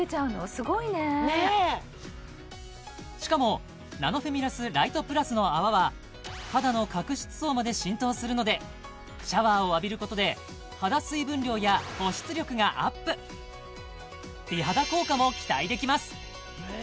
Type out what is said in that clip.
すごいねねしかもナノフェミラスライトプラスの泡は肌の角質層まで浸透するのでシャワーを浴びることで美肌効果も期待できますえ